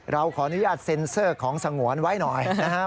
เราขออนุญาตเซ็นเซอร์ของสงวนไว้หน่อยนะครับ